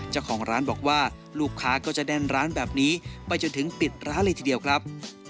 เจ้าของร้านบอกว่าลูกค้าก็จะแน่นร้านแบบนี้ไปจนถึงปิดร้านเลยทีเดียวครับ